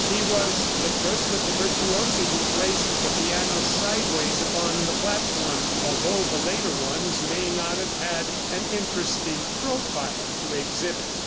He was the first of the virtuosi who placed the piano sideways upon the platform, although the later ones may not have had an interesting profile to exhibit."